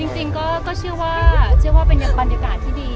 จริงก็เชื่อว่าเป็นบรรยากาศที่ดี